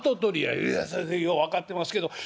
「いやよう分かってますけど。